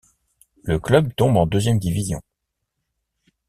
Le club tombe en deuxième division.